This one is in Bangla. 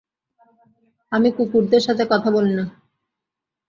আমি কুকুরদের সাথে কথা বলি না।